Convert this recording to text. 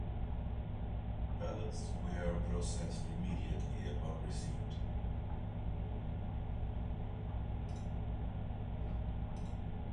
Ballots were processed immediately upon receipt.